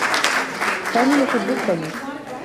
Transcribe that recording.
سامي يحبّ الثّلج.